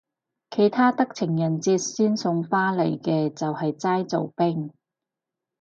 其他得情人節先送花嚟嘅就係齋做兵